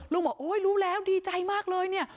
บอกโอ๊ยรู้แล้วดีใจมากเลยเนี่ย